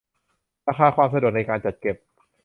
ราคา ความสะดวกในการจัดเก็บ